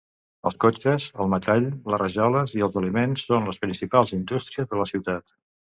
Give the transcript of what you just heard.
Els cotxes, el metall, les rajoles i els aliments són les principals indústries de la ciutat.